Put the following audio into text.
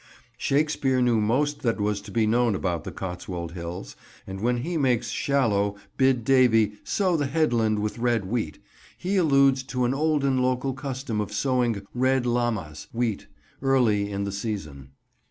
Shakespeare knew most that was to be known about the Cotswold Hills, and when he makes Shallow bid Davy "sow the headland with red wheat," he alludes to an olden local custom of sowing "red lammas" wheat early in the season.